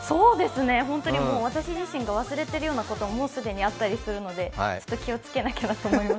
本当に私自身が忘れてるようなことがもう既にあったりするのでちょっと気を付けなくちゃと思います。